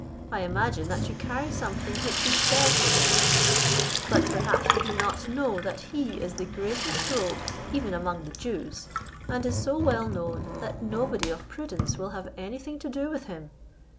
I imagine that you carry something which you sell to him; but perhaps you do not know that he is the greatest rogue even among the Jews, and is so well known, that nobody of prudence will have anything to do with him.